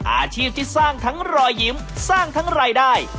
อาชีพที่สร้างทั้งรอยยิ้มสร้างทั้งรายได้